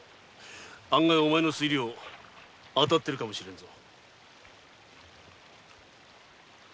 案外お前の推量当たっているかもしれんぞ。